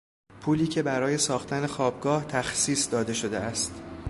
پولی که برای ساختن خوابگاه تخصیص داده شده است